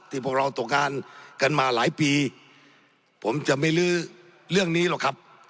พวกเราตกงานกันมาหลายปีผมจะไม่ลื้อเรื่องนี้หรอกครับ